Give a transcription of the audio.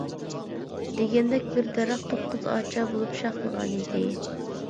دېگەندەك، بىر دەرەخ توققۇز ئاچا بولۇپ شاخلىغانىدى.